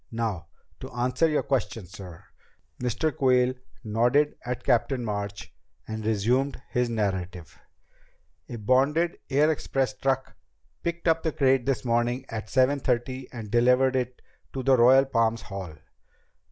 Now, to answer your question, sir." Mr. Quayle nodded at Captain March and resumed his narrative ... "A bonded air express truck picked up the crate this morning at seven thirty and delivered it to the Royal Palms Hall.